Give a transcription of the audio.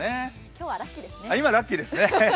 今日はラッキーですね。